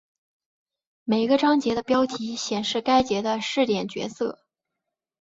每个章节的标题显示该节的视点角色。